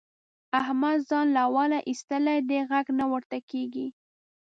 احمد ځان له اوله اېستلی دی؛ غږ نه ورته کېږي.